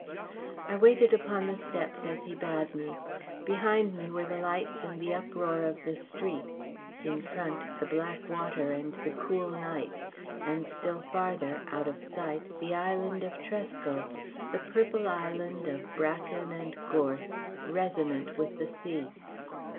I waited upon the steps as he bade me. Behind me were the lights and the uproar of the street; in front, the black water and the cool night; and still further, out of sight, the island of Tresco, the purple island of bracken and gorse, resonant with the sea.